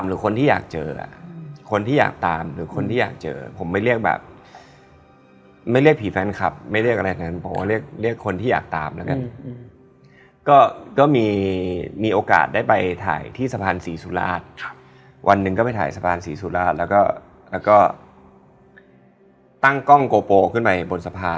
มันแบบไม่ค่อยโอเคเราไม่ได้เห็นอะแต่มันเป็นแบบ